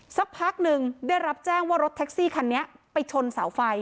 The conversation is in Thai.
สักพักหนึ่งได้รับแจ้งว่ารถแท็กซี่คันนี้ไปชนเสาไฟ